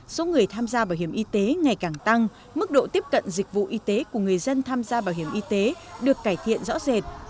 số người tham gia bảo hiểm y tế ngày càng tăng mức độ tiếp cận dịch vụ y tế của người dân tham gia bảo hiểm y tế được cải thiện rõ rệt